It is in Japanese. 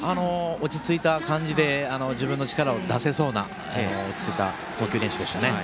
落ち着いた感じで自分の力を出せそうな投球練習でした。